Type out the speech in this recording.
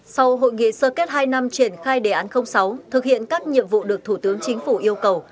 sau hội nghị sơ kết hai năm triển khai đề án sáu thực hiện các nhiệm vụ được thủ tướng chính phủ yêu cầu